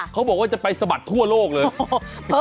เขาบอกว่าจะไปสะบัดทั่วโลกเลย